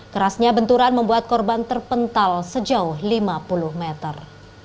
kerasnya benturan membuat korban terpental sejauh lima puluh meter